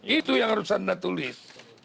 itu yang harus anda tulis